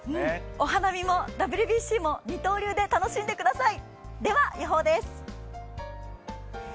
お花見もＷＢＣも、二刀流で楽しんでください。